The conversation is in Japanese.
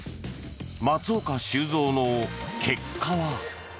松岡修造の結果は。